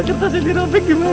kertas ini robek gimana ya